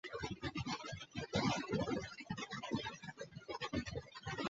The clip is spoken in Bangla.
দাখিল বিজ্ঞান ও সাধারণ।